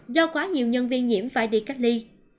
do quá nhiều nhân viên nhiễm phải đi cách ly